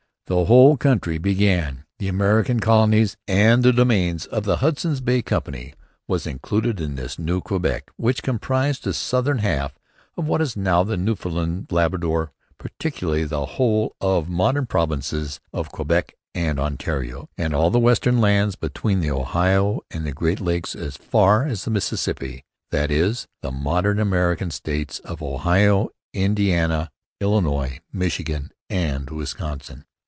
The whole country between the American colonies and the domains of the Hudson's Bay Company was included in this new Quebec, which comprised the southern half of what is now the Newfoundland Labrador, practically the whole of the modern provinces of Quebec and Ontario, and all the western lands between the Ohio and the Great Lakes as far as the Mississippi, that is, the modern American states of Ohio, Indiana, Illinois, Michigan, and Wisconsin.